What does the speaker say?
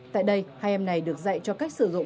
tại đây hai em này được dạy cho cách sử dụng